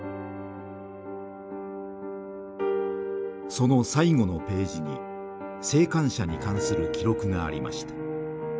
その最後のページに生還者に関する記録がありました。